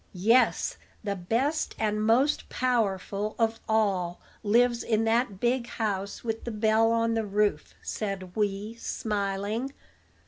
"Yes: the best and most powerful of all lives in that big house with the bell on the roof," said Wee, smiling.